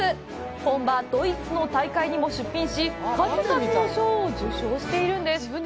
本場ドイツの大会にも出品し、数々の賞を受賞しているんです！